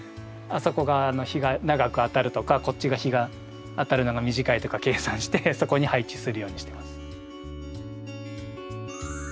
あそこが日が長く当たるとかこっちが日が当たるのが短いとか計算してそこに配置するようにしてます。